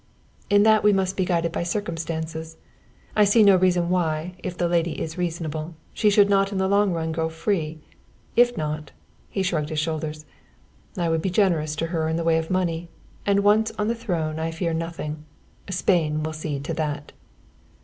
"In that we must be guided by circumstances. I see no reason why, if the lady be reasonable, she should not in the long run go free, if not " he shrugged his shoulders "I would be generous to her in the way of money, and once on the throne I fear nothing. Spain will see to that."